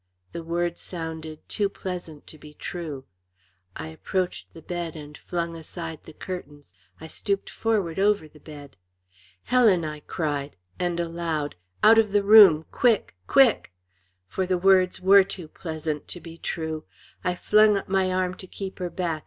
The words sounded too pleasant to be true. I approached the bed and flung aside the curtains. I stooped forward over the bed. "Helen," I cried, and aloud, "out of the room! Quick! Quick!" For the words were too pleasant to be true. I flung up my arm to keep her back.